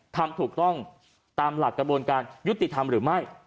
ทำถูกต้องตามหลักกระบวนการยุติธรรมหรือไม่